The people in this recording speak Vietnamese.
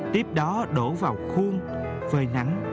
tiếp đó đổ vào khuôn phơi nắng